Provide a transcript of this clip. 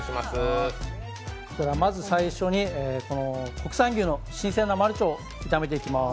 まず最初に国産牛の新鮮な丸腸を炒めていきます。